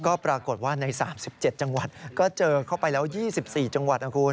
ก็ปรากฏว่าใน๓๗จังหวัดก็เจอเข้าไปแล้ว๒๔จังหวัดนะคุณ